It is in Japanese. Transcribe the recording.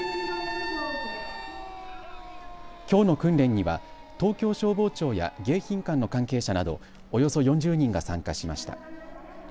きょうの訓練には東京消防庁や迎賓館の関係者などおよそ４０人が参加しました。